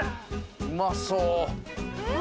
うまそう！